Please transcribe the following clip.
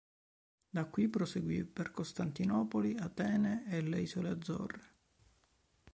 Da qui proseguì per Costantinopoli, Atene e le isole Azzorre.